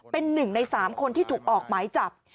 เป็นหนึ่งในสามคนที่ถูกออกหมายจับ